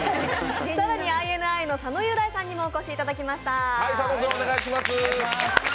更にＩＮＩの佐野雄大さんにもお越しいただきました。